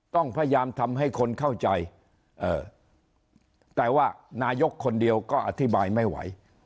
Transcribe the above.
ต้องพยายามทำให้คนเข้าใจแต่ว่านายกคนเดียวก็อธิบายไม่ไหว